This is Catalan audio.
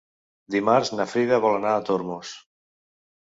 Dimarts na Frida vol anar a Tormos.